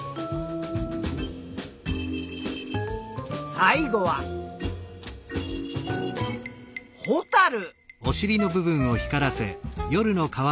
最後はホタル。